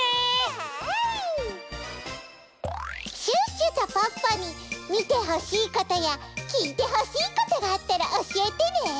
シュッシュとポッポにみてほしいことやきいてほしいことがあったらおしえてね！